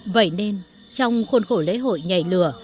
vậy nên trong khuôn khổ lễ hội nhảy lửa